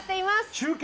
中継？